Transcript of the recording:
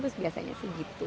terus biasanya sih gitu